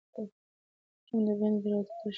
ماشوم د بندې دروازې تر شا په انتظار ولاړ دی.